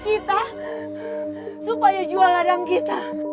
kita supaya jual ladang kita